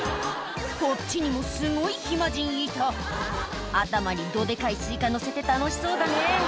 こっちにもすごい暇人いた頭にどデカいスイカのせて楽しそうだね